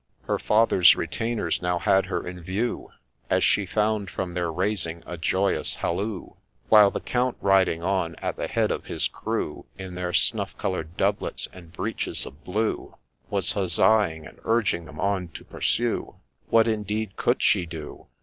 Her father's retainers now had her in view, As she found from their raising a joyous halloo ; While the Count, riding on at the head of his crew, In their snuff colour'd doublets and breeches of blue, Was huzzaing and urging them on to pursue. — What, indeed, could she do